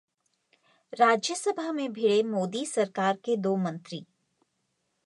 राज्यसभा में भिड़े मोदी सरकार के दो मंत्री